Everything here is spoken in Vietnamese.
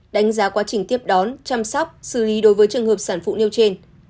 đánh giá quá trình tiếp đón chăm sóc xử lý đối với trường hợp sản phụ nêu trên